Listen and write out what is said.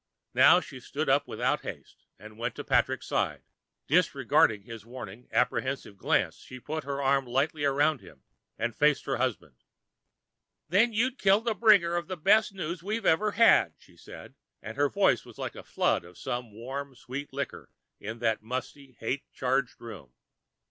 Now she stood up without haste and went to Patrick's side. Disregarding his warning, apprehensive glance, she put her arm lightly around him and faced her husband. "Then you'd be killing the bringer of the best news we've ever had," she said, and her voice was like a flood of some warm sweet liquor in that musty, hate charged room.